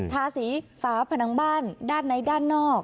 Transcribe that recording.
ทาสีฝาผนังบ้านด้านในด้านนอก